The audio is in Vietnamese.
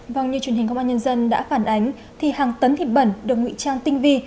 vâng như truyền hình công an nhân dân đã phản ánh thì hàng tấn thịt bẩn được nguy trang tinh vi